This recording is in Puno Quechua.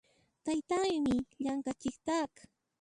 Taytaymi llant'a ch'iqtaq.